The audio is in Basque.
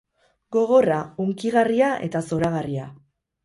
Gogorra, hunkigarria eta zoragarria.